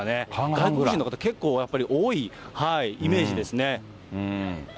外国人の方、結構やっぱり多いイメージですね。